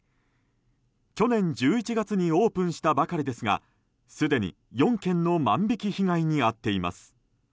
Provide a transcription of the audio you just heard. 去年１１月にオープンしたばかりですがすでに４件の万引き被害に遭っています。